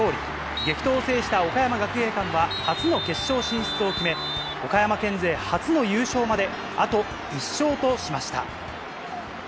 激闘を制した岡山学芸館は初の決勝進出を決め、岡山県勢初の優勝まであと１勝としました。